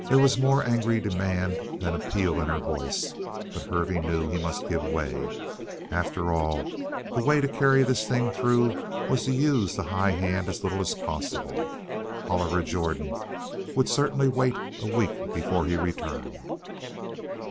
There was more angry demand than appeal in her voice, but Hervey knew he must give way. After all, the way to carry this thing through was to use the high hand as little as possible. Oliver Jordan would certainly wait a week before he returned.